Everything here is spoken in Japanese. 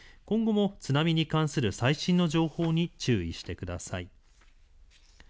今後も津波に関する最新の情報に注意してください。